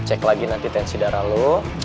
cek lagi nanti tensi darah lo